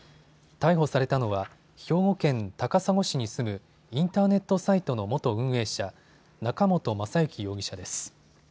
逮捕されたのは兵庫県高砂市に住むインターネットサイトの元運営者、中本正幸容疑者です。